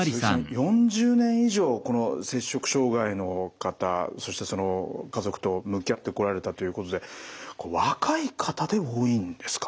４０年以上この摂食障害の方そしてその家族と向き合ってこられたということで若い方で多いんですか？